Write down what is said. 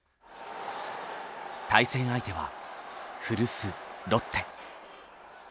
対戦相手は古巣ロッテ。